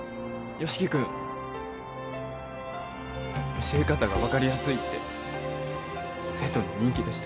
由樹君教え方が分かりやすいって生徒に人気でした